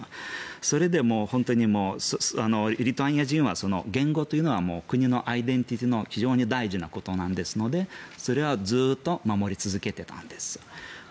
それでもリトアニア人は言語というのは国のアイデンティティーの非常に大事なことなのでそれはずっと守り続けてたんです。